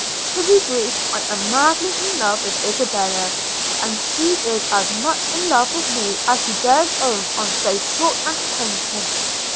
– To be brief, I am madly in love with Isabella, and she is as much in love with me as she dares own on so short an acquaintance.